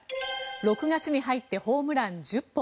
６月に入ってホームラン１０本。